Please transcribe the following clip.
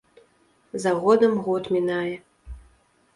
За годам год мінае.